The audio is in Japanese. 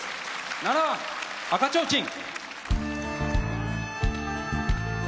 ７番「赤ちょうちん」。